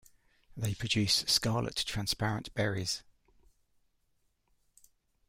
They produce scarlet, transparent berries.